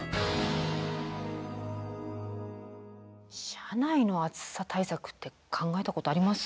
車内の暑さ対策って考えたことあります？